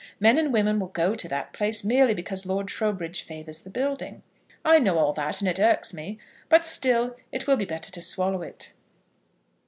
Men and women will go to that place merely because Lord Trowbridge favours the building. I know all that, and it irks me; but still it will be better to swallow it."